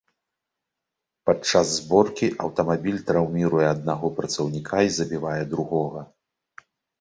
Падчас зборкі, аўтамабіль траўміруе аднаго працаўніка і забівае другога.